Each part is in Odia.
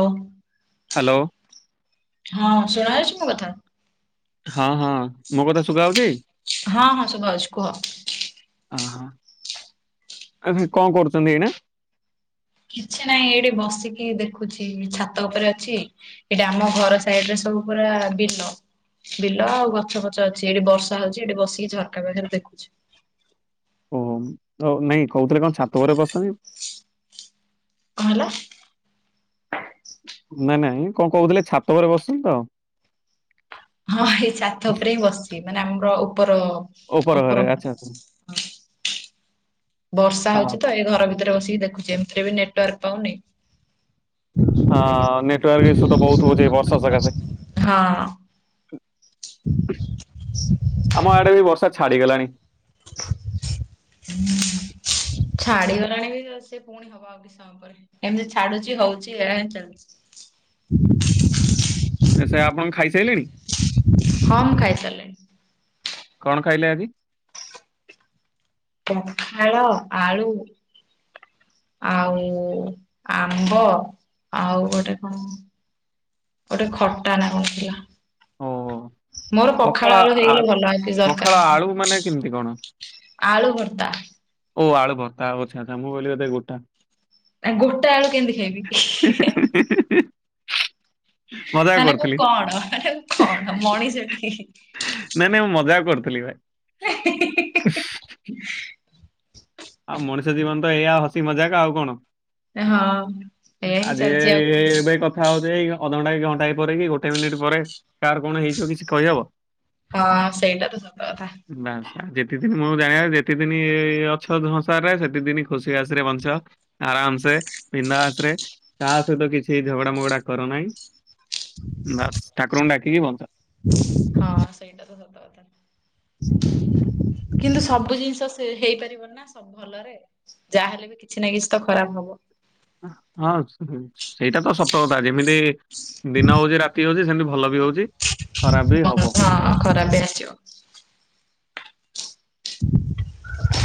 ଓ। ହ୍ୟାଲୋ? ହଁ ଶୁଣା ଯାଉଛି ମୋ କଥା? ହଁ ହଁ ମୋ କଥା ଶୁବାହଉଛି? ହଁ ହଁ ଶୁଭାହୋଉଛି କୁହ? ଆ ହ। [inaudible] ଆଉ ଫେରେ କଣ କରୁଛନ୍ତି ଏଇନା? କିଛି ନାହିଁ। ଏଇଠି ବସିକି ଦେଖୁଛି। ଛାତ ଉପରେ ଅଛି। ଏଟା ଆମ ଘର ସାଇଡ ରେ ସବୁ ପୁରା ବିଲ। ବିଲ ଆଉ ଗଛ ଫଛ ଅଛି। ଏଠି ବର୍ଷା ହଉଛି ଏଠି ବସିକି ଝରକା ପାଖରେ ଦେଖୁଛି। ଓହୋ ନାଇଁ କହୁଥିଲେ କଣ ଛାତ ଘରେ ବସନ୍ତି? କଣ ହେଲା? ନାଇଁ ନାଇଁ କଣ କହୁଥିଲେ ଛାତ ଉପରେ ବସିଛନ୍ତି ତ। ହଁ ଏଇ ଛାତ ଉପରେ ହିଁ ବସଛି। ମାନେ ଆମର ଉପର ଉପର ଘରେ ଆଚ୍ଛା ଆଚ୍ଛା। ହଁ, ବର୍ଷା ହଁ ହଉଛି ତ ଏ ଘର ଭିତରେ ବସିକି ଦେଖୁଛି। ଏମିତିରେ ବି ନେଟୱାର୍କ ପାଉନି। ହଁ ଏଇଠି। ନେଟୱାର୍କ ଈସୁ ତ ବହୁତ ହଛି ଏ ବର୍ଷା ସକାଶେ। ହଁ ଆମ ଆଡ଼େବି ବର୍ଷା ଛାଡିଗଲାଣି। [inaudible] ହୁଁ ଛାଡ଼ିଗଲାଣି ବି ସେ ପୁଣି ହବ ଆଉ କିଛିସମୟ ପରେ ଏମିତି ଛାଡୁଛି ହଉଛି। ଏମିତି ଚାଲିଛି। ସେ ଆପଣ ଖାଇସାରିଲେଣି? ହଁ ମୁଁ ଖାଇସାରିଲିଣି। କଣ ଖାଇଲେ ଆଜି? ପଖାଳ, ଆଳୁ ଆଉ ଆମ୍ବ ଆଉ ଗୋଟେ କଣ! ଗୋଟେ ଖଟା ନା କଣ ଥିଲା। ଓହୋ ମୋର ପଖାଳ ଆଳୁ ହେଇଗଲେ ଭଲ। ଆଉକିଛି ପଖାଳ ଦରକାର ଆଳୁ ମାନେ କେମିତି କଣ? ନାହିଁ। ଆଳୁ ଭର୍ତ୍ତା। ଓ ଆଳୁଭର୍ତ୍ତା ଓ ଛା ଛା ମୁଁ କହିଲି ବୋଧେ ଗୋଟା ଆ ଗୋଟା ଆଳୁ କେମିତି ଖାଇବି? ହିଁ ହିଁ [unintelligible] ମଜାକ ନା ନା ମୁଁ କରୁଥିଲି କଣ ନା ମୁଁ କଣ ମଣିଷଟି? ନାଇଁ ନାଇଁ ମୁଁ ମଜା କରୁଥିଲି ଭାଇ। [unintelligible] ଆଉ ମଣିଷ ଜୀବନ ତ ଏଇଆ ହସି ମଜାକ୍ ଆଉ କଣ? ହଁ ଏଇଆ ହିଁ ଆଜି ଚାଲିଛି ଆଉ ଏ- ଇ କଣ? ଏବେ କଥ କଥା ହ ଅଧଘଣ୍ଟା କି ଘଣ୍ଟା ପରେ କି ଗୋଟେ ମିନିଟ୍ ପରେ କାର୍ କଣ ହେଇଯିବ କିଛି କହିହବ। ହସେଇଟା ତ ସତ କଥା। ବାସ ଯେତେ ଦିନ ମୁଁ ଜାଣିବା ଯେତିକି ଦିନି ମାଛ ଧଂସାର ରେ ସେତିକି ଦିନି ଖୁସି ବାସି ରେ ବଞ୍ଚ ଆରାମ୍ ସେ ବିନ୍ଦସ୍ ରେ କା ସହିତ କିଛି ଝଗଡା ମଗଡା କର ନାହିଁ ବାସ୍ ଠାକୁରଙ୍କୁ ଡାକିକି ବଞ୍ଚ। ହଁ ସେଇଟା ତ ସତ କଥା। କିନ୍ତୁ ସବୁ ଜିନିଷ ସେ ହେଇପାରିବ ନା ସବୁ ଭଲରେ ଯାହାହେଲେ ବି କିଛି ନା କିଛି ତ ଖରାପ ହବ। ହଁ ସେଇଟା ତ ସତ କଥା ଯେମିତି ଦିନ ହଉଚି ରାତି ହଉଚି ସେମିତି ଭଲ ବି ହଉଚି ଖରାପ୍ ବି ହବ। ହଁ ଖରାପ୍ ବି ଆସଯିବ।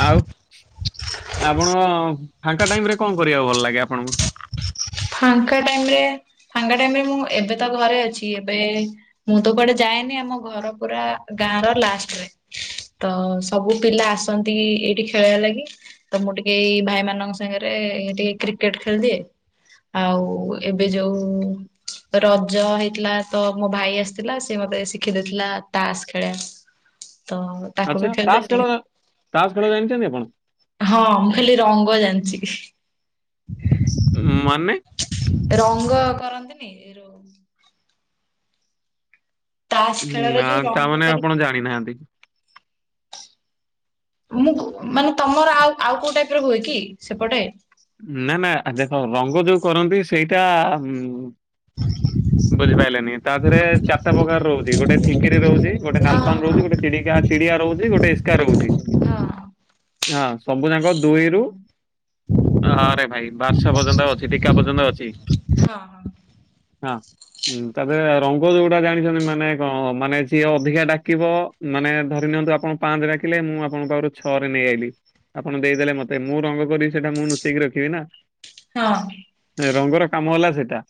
ଆଉ ଆପଣ ଫାଙ୍କା ଟାଇମ୍ରେ କଣ କରିବାକୁ ଭଲ ଲାଗେ ଆପଣଙ୍କୁ? ଫାଙ୍କା ଟାଇମ୍ ରେ ଫାଙ୍କା ଟାଇମ୍ ରେ ମୁଁ ଏବେ ତ ଘରେ ଅଛି ଏବେ ମୁଁ ତ କୁଆଡ଼େ ଯାଏନି ଆମ ଘର ପୁରା ଗାଁ ର ଲାଷ୍ଟରେ। ତ ସବୁ ପିଲା ଆସନ୍ତି ଏଇଠି ଖେଳିବା ଲାଗି ତ ମୁଁ ଟିକେ ଏଇ ଭାଇମାନଙ୍କ ସାଙ୍ଗରେ ଟିକେ କ୍ରିକେଟ୍ ଖେଳିଦିଏ ଆଉ ଏବେ ଯୋଉ ରଜ ହେଇଥିଲା ତ ମୋ ଭାଇ ଆସିଥିଲା ସେ ମତେ ଶିଖି ଦେଇଥିଲା ତାସ୍ ଖେଳିଆ। ତ ଆଚ୍ଛା ତାସ ଖେଳ-ତାସ ଖେଳ ଜାଣିଚନ୍ତି ଆପଣ? ହଁ ମୁଁ ଖାଲି ରଙ୍ଗ ଜାଣିଛି ମାନେ? ରଙ୍ଗ କରନ୍ତିନି ଯୋଉ ତାସ୍ ଖେଳରେ ନା ଯୋଉ ରଙ୍ଗ ତାମାନେ କରି ଆପଣ ଜାଣିନାହାଁନ୍ତି। ମୁଁ କୁ ମାନେ ତମର ଆଉ- ଆଉ କୋଉ ଟାଇପ ର ହୁଏ କି ସେପଟେ? ନା ନା ଦେଖ ରଙ୍ଗ ଯୋଉ କରନ୍ତି ସେଇଟା ବୁଝିପାଇଲେନି ତା ଦେହେରେ ଚାରିଟା ପ୍ରକାର ରହୁଚି ଗୋଟେ ଠିକ୍ କିରେ ରହୁଚି ଗୋଟେ ହଁ ନାଲ୍ ପାନ୍ ହଁ ରହୁଚି ଗୋଟେ ଚିଡିକା-ଚିଡିଆ ରହୁଚି ଗୋଟେ ଏ ସ୍କା ରହୁଚି। ହଁ। ହଁ ସବୁ ଯାକ ଦୁଇରୁୁ ହଁରେ ଭାଇ ବାର୍ଷ ପର୍ଯ୍ୟନ୍ତ ଅଛି ଟିକା ପର୍ଯ୍ୟନ୍ତ ଅଛି। ହଁ। ହଁ। ହୁଁ ତାପରେ ରଙ୍ଗ ଯୋଉଟା ଜାଣିଛନ୍ତି ମାନେ କଣ ମାନେ ସିଏ ଅଧିକା ଡାକିବ ମାନେ ଧରି ନିଅନ୍ତୁ ଆପଣ ପାଞ୍ଚେ ଡାକିଲେ ମୁଁ ଆପଣଙ୍କ ପାଖରୁ ଛଅ ରେ ନେଇ ଆଇଲିି ଆପଣ ଦେଇଦେଲେ ମତେ ମୁଁ ରଙ୍ଗ କରିବି ସେଇଟା ମୁଁ ନୁଚେଇକି ରଖିବି ନା। ହଁ। ରଙ୍ଗର କାମ ହେଲା ସେଟା।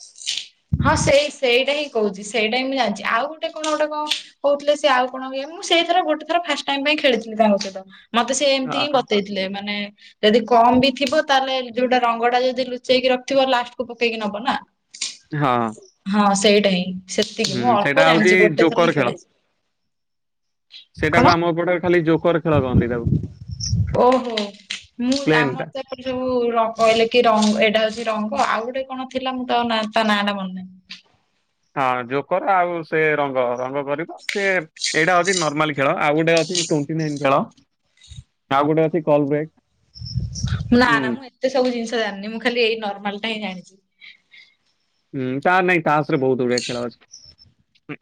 ହଁ ସେଇ ସେଇଟା ହିଁ କହୁଚି ସେଇଟା ହିଁ ମୁଁ ଜାନଚି ଆଉ ଗୋଟେ କଣ ଗୋଟେ କଣ କହୁଥିଲେ ସେ ଆଉ ଇଏ ମୁଁ ସେଇ ଥର ଗୋଟେ ଥର ଫାଷ୍ଟ ଟାଇମ୍ ପାଇଁ ଖେଳିଥିଲି ତାଙ୍କ ସହିତ ମତେ ସେ ଏମିତି ଆ- ହିଁ ବତେଇଥିଲେ ମାନେ ଯଦି କମ ବି ଥିବ ତାହେଲେ ଯୋଉଟା ରଙ୍ଗ ଟା ଯଦି ଲୁଚେଇକି ରଖଥିବ ଲାଷ୍ଟକୁ ପକେଇକି ନବ ନା। ହଁ। ହଁ ସେଇଟା ହିଁ ସେତିକି ହୁଁ ମୁଁ ସେଇଟା ଅଳ୍ପ ହଉଛି ଜାଣିଛି ଗୋଟେ ଥର ଜୋକର ହଁ ଖେଳ। ଖେଳିଛି। ସେଇଟାକୁ କଣ? ଆମ ଏପଟରେ ଖାଲି ଜୋକର ଖେଳ କହନ୍ତି ତାକୁ। ଓହୋ ମୁଁ ପ୍ଲେନ ଆମର ଟା। ଟ ସବୁ କହିଲେ କି ରଙ୍ଗ ଏଇଟା ହଉଛି ରଙ୍ଗ ଆଉ ଗୋଟେ କଣ ଥିଲା ମୁଁ ତା ତା ନାଁ ଟା ମନ [inaudible] ହଁ ଜୋକର ଆଉ ସେ ରଙ୍ଗ ରଙ୍ଗ କରିବ ସେ ଏଇଟା ହଉଛି ନର୍ମାଲି ଖେଳ ଆଉ ଗୋଟେ ଅଛି ଟ୍ୱେଣ୍ଟି ନାଇନ୍ ଖେଳ ଆଉ ଗୋଟେ ଅଛି କଲ ବ୍ରେକ୍। ନା ହୁଁ ନା ମୁଁ ଏତେ ସବୁ ଜିନିଷ ଜାଣିନି ମୁଁ ଖାଲି ଏଇ ନର୍ମାଲ ଟା ହିଁ ଜାଣିଛି। ହୁଁ ତା ନାଇଁ ତାସ ରେ ବହୁତ ଗୁଡିଏ ଖେଳ ଅଛି।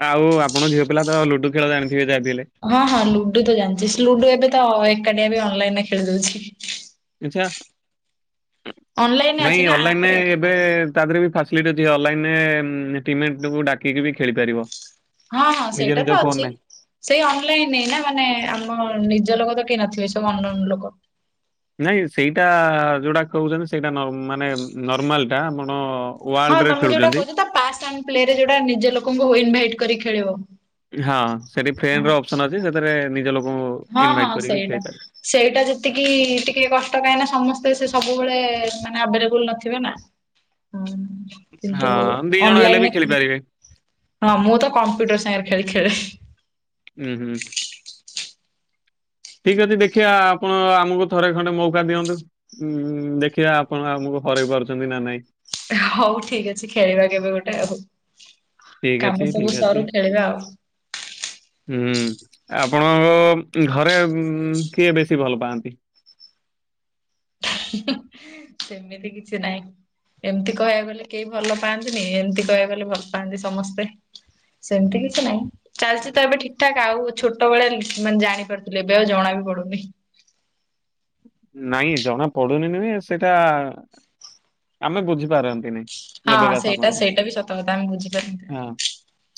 ଆଉ ଆପଣ ଝିଅ ପିଲା ତ ଲୁଡୁ ଖେଳ ଯାଣିଥିବ ଯାହା ବି ହେଲେ। ହଁ ହଁ ଲୁଡୁ ତ ଜାଣିଚି ଲୁଡୁ ଏବେ ତ ଏକାଟିଆ ବି ଅନଲାଇନ ରେ ଖେଳି ଦଉଛି। ଆଛା ଅନଲାଇନରେ ନାଇଁ ଅଛି ନା ଆପରେ ଅନଲାଇନରେ ଏବେ ତା ଦେରେ ବି ଫାସିଲିଟି ଅଛି ଅନଲାଇନ ରେ ଟିମେକୁ ଡାକିକି ବି ଖେଳିପାରିବ। ହଁ ହଁ ସେଇଟା ତ ଅଛି। ସେଇ ଅନଲାଇନ ରେ ନା ମାନେ ଆମ ନିଜ ଲୋକ ତ କେହି ନଥିବେ ସବୁ ଅନନ ଲୋକ। ନାଇଁ ସେଇଟା ଯୋଉଟା କହୁଛନ୍ତି ସେଇଟା ନ ମାନେ ନର୍ମାଲଟା ଆପଣ ହଁ ୱାର୍ଲଡରେ ତମେ ଯୋଉଟା ଖେଳୁଛନ୍ତି। କହୁଛ ପାସ୍ ଆ୍ ପ୍ଲେ ରେ ଯୋଉଟା ନିଜ ଲୋକଙ୍କୁ ହଉ ଇନଭାଇଟ୍ କରି ଖେଳିବ। ହଁ ସେଠି ଫ୍ରେଣ୍ଡ ହଁ ଅପସନ ଅଛି ସେଥିରେ ନିଜ ଲୋ ହଁ ହଁ ସେଇଟା। ସେଇଟା ଯେତିକି ଟିକେ କଷ୍ଟ କାହିଁ ନା ସମସ୍ତେ ସେ ସବୁବେଳେ ମାନେ ଆଭେଲେବୁଲ ନଥିବେ ନା। ହଁ। କିନ୍ତୁ ହଁ ଦି ଜଣ ହେଲେ ବି ଅନଲାଇନରେ ଖେଳିପାରିବେ। ହଁ ମୁଁ ତ କମ୍ପ୍ୟୁଟର ସାଙ୍ଗରେ ଖାଲି ଖେଳେ। ଉଁ ହୁଁ। ଠିକ୍ ଅଛି ଦେଖିବା ଆପଣ ଆମକୁ ଥରେ ଖଣ୍ଡେ ମୌକା ଦିଅନ୍ତୁ। ଉଁ ଦେଖିବା ଆପଣ ଆମକୁ ହରାଇ ପାରୁଛନ୍ତି ନା ନାଇଁ। ହଉ ଠିକ ଅଛି ଖେଳିବା କେବେ ଗୋଟେ ଆଉ ଠିକ ଅଛି କାମ ଠିକ ସବୁ ଅଛି। ସରୁ ଖେଳିବା ଆଉ। [inaudible] ହୁଁ ଆପଣଙ୍କ ଘରେ କିଏ ବେଶୀ ଭଲ ପାଆନ୍ତି? ସେମିତି କିଛି ନାଇଁ। ଏମିତି କହିବାକୁ ଗଲେ କେହି ଭଲ ପାଆନ୍ତିନି ଏମିତି କହିବାକୁ ଗଲେ ଭଲ ପାଆନ୍ତି ସମସ୍ତେ। ସେମିତି କିଛି ନାଇଁ। ଚାଲିଛି ତ ଏବେ ଠିକ ଠାକ ଆଉ ଛୋଟବେଳେ ମାନେ ଜାଣିପାରୁଥିଲେ ଏବେ ଆଉ ଜଣା ବି ପଡୁନି। ନାଇଁ ଜଣା ପଡୁନି ନୁହେଁ ସେଇଟା ଆମେ ବୁଝିପାରନ୍ତିନି। ହଁ ଏବେକା ସେଇଟା ସମୟରେ ସେଇଟା ବି ସତକଥା ଆମେ ବୁଝିପାରିନ ହଁ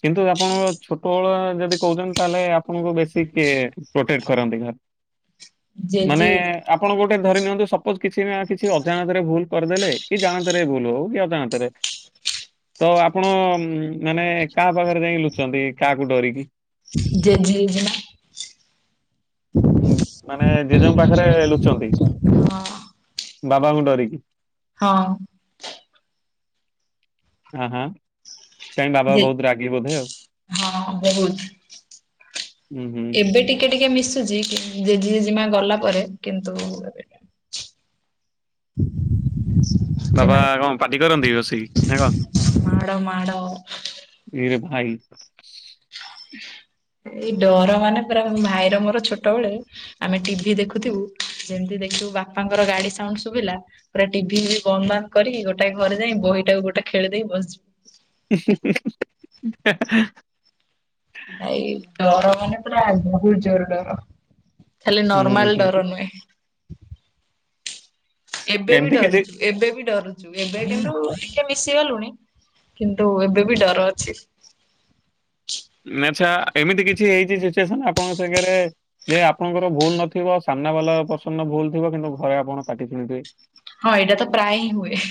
କିନ୍ତୁ ଆପଣ ଛୋଟବେଳ ଯଦି କହୁଛନ୍ତି ତାହେଲେ ଆପଣଙ୍କୁ ବେଶୀ କିଏ ପ୍ରୋଟେକ୍ଟ କରନ୍ତି ଘରେ? ମାନେ ଜେଜେ ଆପଣ ଗୋଟେ ଧରି ନିଅନ୍ତୁ ସପୋଜ କିଛି ନା କିଛି ଅଜାଣତରେ ଭୁଲ କରିଦେଲେ କି ଜାଣତରେ ଭୁଲ ହଉ କି ଅ ଯାଣତରେ [inaudible] ତ ଆପଣ ମାନେ କାହା ପାଖରେ ଯାଇକି ଲୁଚନ୍ତି କାହାକୁ ଡରିକି? ଜେଜି ଜେଜେମା। ମାନେ ଜେଜେଙ୍କ ପାଖରେ ଲୁଚନ୍ତି ହଁ ବାବାଙ୍କୁ ଡରିକି। ହଁ। ଆ ହା। କାଇଁ ବାବା ଜେ ବହୁତ୍ ରାଗୀ ବୋଧେ ଆଉ? ହଁ ବହୁତ ହୁଁ ହୁଁ ଏବେ ଟିକେ ଟିକେ ମିଶୁଚି। ଜେଜେ ଜେଜେମା ଗଲାପରେ କିନ୍ତୁ ଏବେ [inaudible] ବାବା କଁ ପାଟି କରନ୍ତି ରୋଷେଇ ନାଁ କଣ? ମାଡ଼ ମାଡ଼। ଏରେ ଭାଇ। ଏଇ ଡର ମାନେ ପୁରା ଭାଇର ମୋର ଛୋଟବେଳେ ଆମେ ଟିଭିି ଦେଖୁଥିବୁ ଯେମିତି ଦେଖିଥିବୁ ବାପାଙ୍କର ଗାଡ଼ି ସାଉଣ୍ଡ ଶୁବିଲା ପୁରା ଟିଭି ଫିବି ବନ୍ଦବାନ୍ଦ କରିକି ଗୋଟାଏ ଘରେ ଯାଇ ବହିଟାକୁ ଗୋଟେ ଖେଳିଦେଇ ବସି ହିଁ- ହିଁ ହଁ ହାଁ ନାଇ ଡର ମାନେ ପୁରା ଆ ବୋହୁତ୍ ଜୋର୍ ଡର ଖାଲି ହୁଁ ନର୍ମାଲ ହୁଁ ଡର ନୁହେଁ। ଏବେବି ଏମିତି କିଛି ଡରିଚି। ଏବେବି କରୁଚୁ ଏବେ କିନ୍ତୁ ଟିକେ ମିଶି ଗଲୁଣି କିନ୍ତୁ ଏବେବି ଡର ଅଛି। ଆଚ୍ଛା ଏମିତି କିଛି ହେଇଛି ସିଚୁଏସନ୍ ଆପଣଙ୍କ ସାଙ୍ଗରେ ଯେ ଆପଣଙ୍କର ଭୁଲ୍ ନଥିବ ସାମ୍ନାବାଲା ପର୍ସନର ଭୁଲଥିବ କିନ୍ତୁ ଘରେ ଆପଣ ପାଟି ଶୁଣିଥିବେ? ହଁ ଏଇଟାତ ପ୍ରାୟହିଁ ହୁଏ।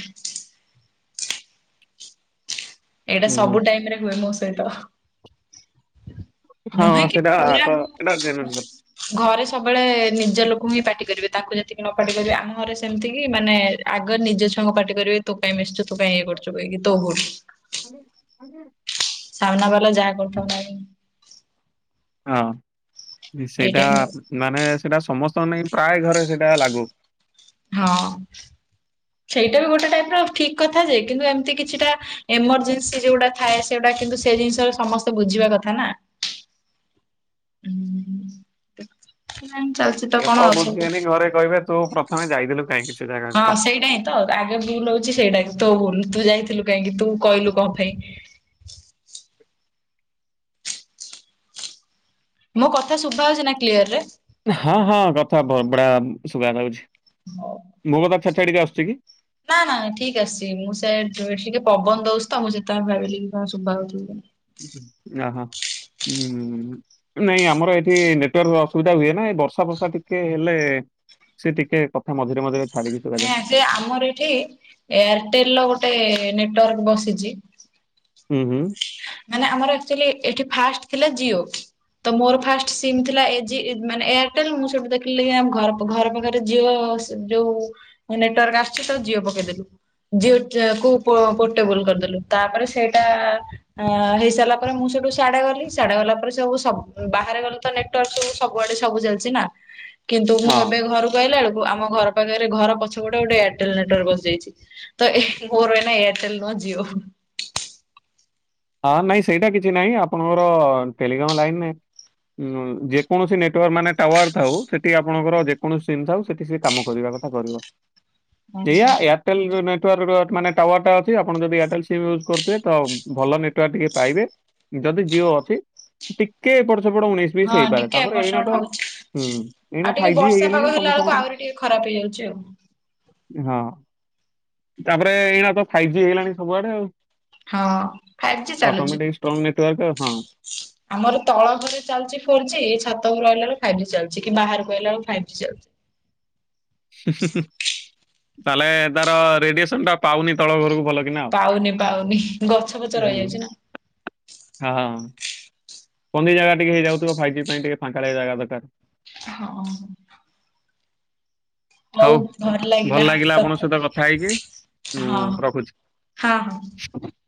ଏଇଟା ହୁଁ ହୁଁ ସବୁ ଟାଇମରେ ହୁଏ ମୋ ସହିତ। ହଁ ନୁହେଁ କି ସେଟା ପୁରା [unintelligible] ଘରେ ସବୁବେଳେ ନିଜ ଲୋକହିଁ ପାଟି କରିବେ ତାଙ୍କୁ ଯେତିକି ନପାଟି କରିବେ ଆମ ଘରେ ସେମିତିକି ମାନେ ଆଗ ନିଜଛୁଆଙ୍କୁ ପାଟିକରିବେ ତୁକାଇଁ ମିଶିଚୁ ତୁକାଇଁ ଇଏ କରିଚୁ କହିକି ତୋଭୁଲ୍। ଖାଲି ସାମ୍ନାବାଲା ଯାହା କରୁଥାଉନା ହଁ ସେଇଟା ଏଇଟା ହିଁ ମାନେ ସେଇଟା ସମସ୍ତଙ୍କ ନାଇ ପ୍ରାୟ ଘରେ ସେଇଟା ଲାଗୁ। ହଁ। ସେଇଟାବି ଗୋଟେ ଟାଇପର ଠିକ୍ କଥାଯେ କିନ୍ତୁ ଏମିତି କିଛିଟା ଏମରଜେନ୍ସି ଯୋଉଟା ଥାଏ ସେଗୁଟା କିନ୍ତୁ ସେଜିନିଷ ସମସ୍ତେ ବୁଝିବା କଥାନା। ହୁଁ ଚାଲିଚତ କଣ ଅଛ [unintelligible] ପରେ କହିବେ ତୁ ପ୍ରଥମେ ଯାଇଥିଲୁ କାହିଁକି। ସେ ଜାଗାକୁ ହଁ କହ। ସେଇଟାହିଁତ ଆଗେ ଭୁଲ୍ ହଉଚି ସେଇଟା ତୋଭୁଲ୍ ତୁ ଳଯାଇଥିଲୁ କାହିଁକି ତୁକହିଲୁ କଁପାଇଁ। ମୋ କଥା ଶୁଭା ହଉଚିନା କ୍ଲିୟରେ? ହଁ ହଁ କଥା ବଗ-ବଢିୟା ସୁବାଯାଉଛି। [inaudible] ମୋକଥା ଛାଡ଼ି ଛାଡ଼ିକି ଆସୁଚିକି? ନା ନା ଠିକ୍ ଆସିଚି ମୁଁ ସେ ଟିକେ ପବନ ଦଉଚିତ ମୁଁ ସେଇଥିପାଇଁ ଭାବିଲି କଣ ଶୁଭା ହଉଚିକି ନାଇଁ। ଅଁ ହଁ ହୁଁ ହୁଁ ହୁଁ। ନାଇଁ ଆମର ଏଠି ନେଟୱାର୍କ ଅସୁବିଧା ହୁଏନା ବର୍ଷାଫର୍ଷା ଟିକେ ହେଲେ ସେଟିକେ କଥା ମଝରେମଝିରେ ଛାଡ଼ିକି ସୁବାଯାଏ। ସେଆମର ଏଠି ଏୟାରଟେଲ୍ ଗୋଟେ ନେଟୱାର୍କ ବସିଚି ହୁଁ ହୁଁ। ମାନେ ଆମର ଆକ୍ଚୁଲି ଏଠି ଫାଷ୍ଟ ଥିଲା ଜିଓ ତ ମୋର ଫାଷ୍ଟ ସିମ୍ ଥିଲା ଏ ଜି ମାନେ ଏୟାରଟେଲ୍ ମୁଁ ସେଇଠୁ ଦେଖିଲି ଘର୍ ଘର ପାଖରେ ଜିଓ ଯୋଉ ନେଟୱାର୍କ ଆସୁଚିତ ଜିଓ ପକେଇଦେଲି। [unintelligible] ପୋ-ପୋଟେବୁଲ କରିଦେଲୁ ତାପରେ ସେଇଟା ଅ ହେଇସାରିଲା ପରେ ମୁଁ ସେଠୁ ସାଆଢ଼େ ଗଲି ସାଡା ଗଲାପରେ ସବୁ-ସବୁ ବାହାରେ ଗଲି ତ ନେଟ ନେଟ ଇସୁ ସବୁଆଡେ ସବୁ ଚାଲିଛି ନା କିନ୍ତୁ ମୁଁ ହଁ ଏବେ ଘରକୁ ଆଇଲା ବେଳକୁ ଆମ ଘର ପାଖରେ ଘର ପଛ ପଟେ ଗୋଟେ ଏୟାରଟେଲ ନେଟୱାକ୍ ବସିଯାଇଛି। ତ ଏ ମୋ ର ଏଇନା ଏୟରଟେଲ ନୁହଁ ଜିଓ। ହଁ ନାଇଁ ସେଇଟା କିଛି ନାହିଁ ଆପଣଙ୍କର ଟେଲିିଗାମ ଲାଇନରେ ଉଁ ଯେକୌଣସି ନେଟୱାର୍କ ମାନେ ଟାୱାର ଥାଉ ସେଠି ଆପଣଙ୍କର ଯେକୌଣସି ସିମ୍ ଥାଉ ସେଠି ସେ କାମ କରିବା କଥା କରିବ। [unintelligible] ଆଚ୍ଛା। ଏଇୟା ଏଇୟା ଏୟଟେଲ ନେଟୱାର୍କ ମାନେ ଟୱାର ଟା ଅଛି। ଆପଣ ଯଦି ଏୟାରଟଲ ସିମ୍ ୟୁଜ କରୁଥିବେ ତ ଭଲ ନେଟ ନେଟୱାର୍କ ଟିକେ ପାଇବେ! ଯଦି ଜିଅ ଅଛି ଟିକେ ଏପଟ ସେପଟ ଉଣେଇଶ ବିଶ ହଁ ହେଇପାରେ ଟିକେ ତାପରେ ଏପଟ ଏଇନା ତ ସେପଟ ହଉଚି। ହୁଁ ଏଇନା ଆଉ ଟିକେ ଫାଇଭ୍ ଜି ବର୍ଷା ହେଇଗଲାଣି ପାଗ ହେଲା ବେଳକୁ ସମସ୍ତଙ୍କର ଆହୁରି ଟିକେ ଖରାପ ହେଇଯାଉଛି ଆଉ। ହଁ, ତାପରେ ଏଇନା ତ ଫାଇଭ୍ ଜି ହେଇଗଲାଣି ସବୁଆଡେ ଆଉ। ହଁ। ଫାଇଭ୍ ଜି ଚାଲୁଛି। ଅଟୋମେଟିକ୍ ଷ୍ଟଙ୍ଗ ନେଟୱାର୍କ ହଁ। ଆମର ତଳ ଘରେ ଚାଲିଛି ଫୋର ଜି ଛାତ ଉପରକୁ ଆଇଲା ବେଳକୁ ଫାଇଭ୍ ଜି ଚାଲିଛି କି ବାହାରକୁ ଆଇଲା ବେଳକୁ ଫାଇଭ୍ ଜି ଚାଲିଛି। [inaudible] ତାହେଲେ ତାର ରେଡିଏସନ ଟା ପାଉନି ତଳ ଘରକୁ? ଭଲ କିନା ଆଉ ପାଉନି ପାଉନି ଗଛ ଫଛ ହୁଁ ରହିଯାଉଛି ନା। ହଁ। କନ୍ଦି ଜାଗା ଟିକେ ହେଇଯାଉଥିବ ଫାଇଭ ଜି ପାଇଁ ଟିକେ ଫାଙ୍କାଳିଆ ଜାଗା ଦରକାର। ହଁ। ହଉ ବହୁତ ଭଲ ଲାଗିଲା କଥା ହେଇକି। ହଁ ହଁ ହଁ। ହଁ